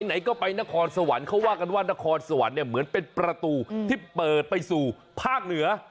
ไหนก็ไปนครสวรรค์เขาว่ากันว่านครสวรรค์เนี่ยเหมือนเป็นประตูที่เปิดไปสู่ภาคเหนือ